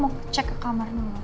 aku mau cek ke kamarnya